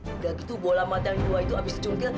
udah gitu bola mata yang dua itu abis dicungkil